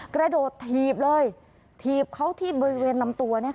กระโดดถีบเลยถีบเขาที่บริเวณลำตัว